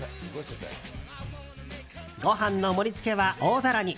ご飯の盛り付けは大皿に。